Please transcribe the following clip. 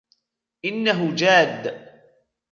انه جاد.